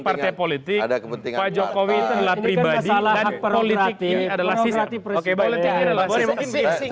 partai politik ada kepentingan pak jokowi adalah pribadi dan politik ini adalah siswa oke boleh